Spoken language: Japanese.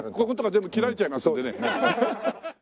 こことか全部切られちゃいますんでね。